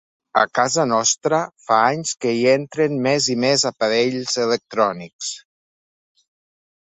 A casa nostra, fa anys que hi entren més i més aparells electrònics.